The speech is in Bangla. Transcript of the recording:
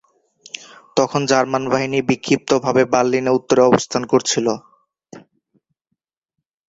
তখন জার্মান বাহিনী বিক্ষিপ্তভাবে বার্লিনের উত্তরে অবস্থান করছিল।